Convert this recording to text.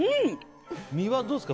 身はどうですか？